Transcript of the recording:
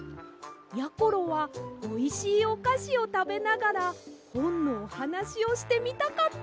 やころはおいしいおかしをたべながらほんのおはなしをしてみたかったんです。